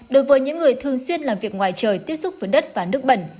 đối với những người thường xuyên làm việc ngoài trời tiếp xúc với đất và nước bẩn